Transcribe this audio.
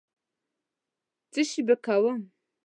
څشي به کوم.